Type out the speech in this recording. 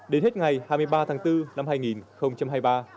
đến hết ngày hai mươi ba tháng bốn năm hai nghìn hai mươi ba